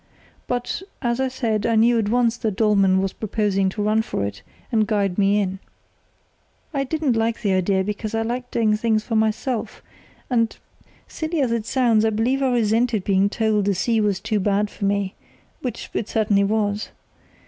But, as I said I knew at once that Dollmann was proposing to run for it and guide me in. "I didn't like the idea, because I like doing things for myself, and, silly as it sounds, I believe I resented being told the sea was too bad for me, which it certainly was.